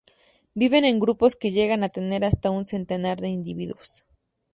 Viven en grupos que llegan a tener hasta un centenar de individuos.